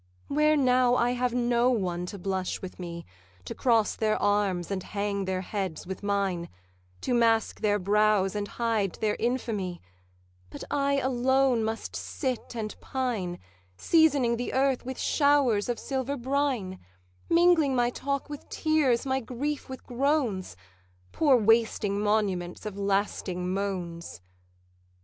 'Where now I have no one to blush with me, To cross their arms and hang their heads with mine, To mask their brows and hide their infamy; But I alone alone must sit and pine, Seasoning the earth with showers of silver brine, Mingling my talk with tears, my grief with groans, Poor wasting monuments of lasting moans.